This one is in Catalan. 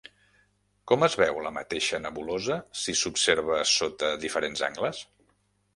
Com es veu la mateixa nebulosa si s'observa sota diferents angles?